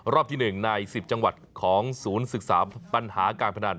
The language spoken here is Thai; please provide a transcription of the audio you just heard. ที่๑ใน๑๐จังหวัดของศูนย์ศึกษาปัญหาการพนัน